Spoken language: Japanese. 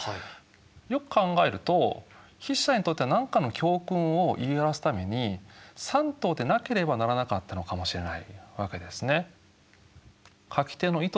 よく考えると筆者にとっては何かの教訓を言い表すために３頭でなければならなかったのかもしれないわけですね。